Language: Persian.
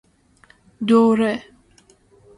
دوره